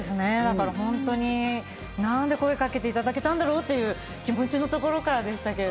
本当に何で声かけていただけたんだろう？っていうところからでしたけど。